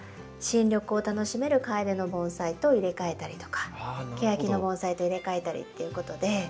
新緑を楽しめるカエデの盆栽と入れ替えたりとかケヤキの盆栽と入れ替えたりっていうことで。